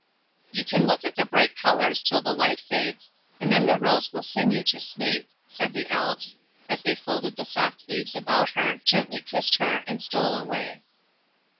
"You can look at the bright colors till the light fades, and then the rose will sing you to sleep," said the Elves, as they folded the soft leaves about her, gently kissed her, and stole away.